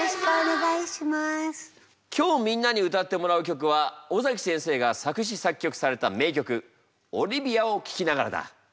今日みんなに歌ってもらう曲は尾崎先生が作詞作曲された名曲「オリビアを聴きながら」だ。